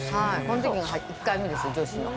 この時が１回目ですね女子の。